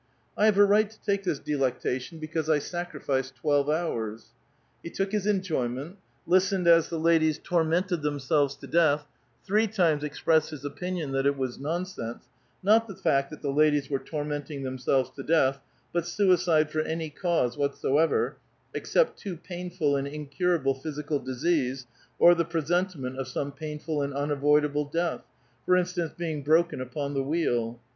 "^ I have a right to take this delectation, because I sacri ficed twelve hours." He took his enjoyment, listened as the ladies tormented themselves to death, three times expressed his opinion tliat it was ^^ nonsense"; not the fact that the ladies were tor menting themselves to death, but suicide for any cause whatsoever, except too painful and incurable physical dis ease, or the presentiment of some painful and unavoidable death; for instance, being broken upon the wheel.